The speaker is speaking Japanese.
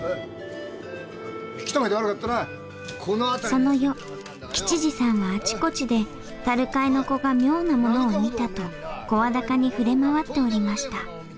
その夜吉次さんはあちこちで樽買いの子が妙なものを見たと声高に触れ回っておりました。